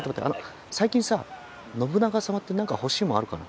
最近さ信長様って何か欲しいもんあるかな？